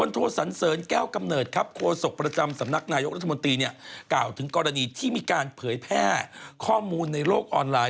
ถึงกรณีที่มีการเผยแพร่ข้อมูลในโลกออนไลน์